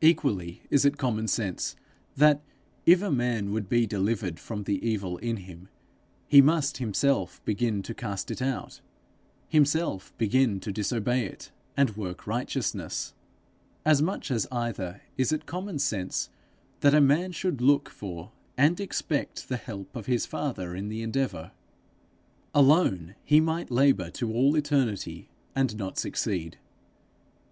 Equally is it common sense that, if a man would be delivered from the evil in him, he must himself begin to cast it out, himself begin to disobey it, and work righteousness. As much as either is it common sense that a man should look for and expect the help of his Father in the endeavour. Alone, he might labour to all eternity and not succeed.